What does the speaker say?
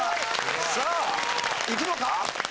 さあいくのか？